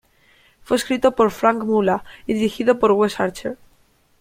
Fue escrito por Frank Mula y dirigido por Wes Archer.